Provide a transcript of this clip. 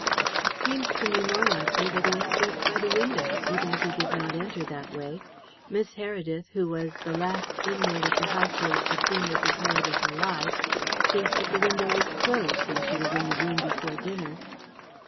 "It seems to me more likely that he escaped by the window, even if he did not enter that way. Miss Heredith, who was the last inmate of the household to see Mrs. Heredith alive, thinks that the window was closed when she was in the room before dinner."